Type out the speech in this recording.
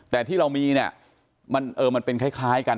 แต่ที่เรามีเนี่ยมันเป็นคล้ายกัน